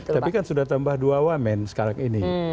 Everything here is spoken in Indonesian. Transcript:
tapi kan sudah tambah dua wamen sekarang ini